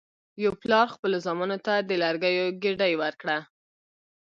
یو پلار خپلو زامنو ته د لرګیو ګېډۍ ورکړه.